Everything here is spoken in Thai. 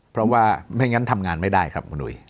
เพราะว่าไม่งั้นทำงานไม่ได้ครับคุณหุย